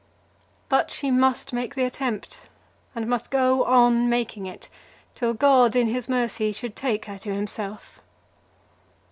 But she must make the attempt, and must go on making it, till God in his mercy should take her to himself.